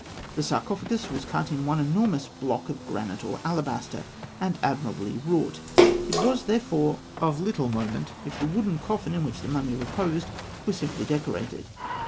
The sarcophagus was cut in one enormous block of granite or alabaster, and admirably wrought. It was therefore of little moment if the wooden coffin in which the mummy reposed were very simply decorated.